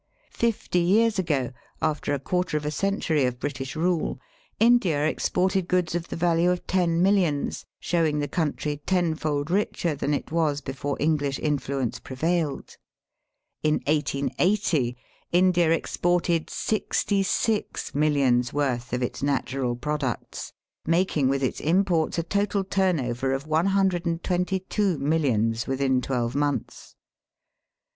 Fifty years ago, after a quarter of a century of British rule, India exported goods of the value of ten millions, showing the country tenfold richer than it was before English influence prevailed. In 1880 India exported sixty six millions worth of its natural products, making with its imports a total turn over of one hundred and twenty two milUons Tvithin twelve months.